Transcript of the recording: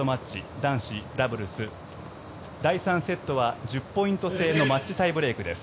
男子ダブルス、第３セットは１０ポイント制のマッチタイブレークです。